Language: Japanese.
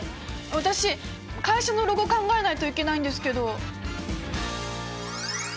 私会社のロゴ考えないといけないんですけど！